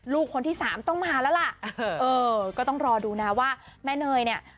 ลูกคนที่สามต้องมาแล้วล่ะเออก็ต้องรอดูนะว่าแม่เนยเนี่ย